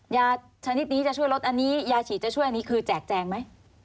ยาชนิดนี้จะช่วยลดอันนี้ยาฉีดจะช่วยอันนี้คือแจกแจงไหม